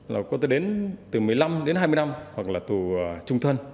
là có thể đến từ một mươi năm đến hai mươi năm hoặc là tù trung thân